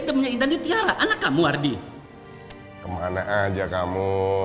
temennya intan di tiara anak kamu ardi kemana aja kamu